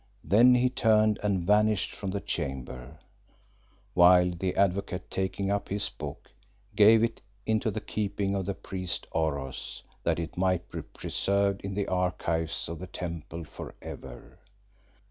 Then he turned and vanished from the chamber; while the Advocate, taking up his book, gave it into the keeping of the priest Oros, that it might be preserved in the archives of the temple for ever.